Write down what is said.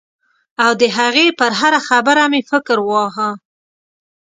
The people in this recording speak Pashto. او د هغې پر هره خبره مې فکر واهه.